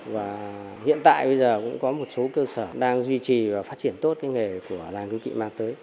và hiện tại bây giờ cũng có một số cơ sở đang duy trì và phát triển tốt cái nghề của làng hữu kị mang tới